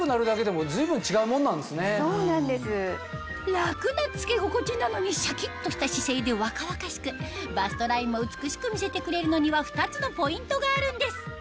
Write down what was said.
楽な着け心地なのにシャキっとした姿勢で若々しくバストラインも美しく見せてくれるのには２つのポイントがあるんです